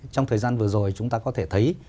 trong thời gian vừa rồi chúng ta có thể thấy